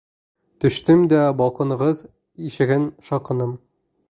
Төштөм дә балконығыҙ ишеген шаҡыным.